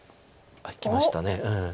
おっいきました。